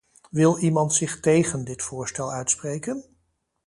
Wil iemand zich tegen dit voorstel uitspreken?